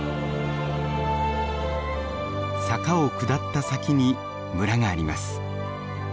坂を下った先に村があります。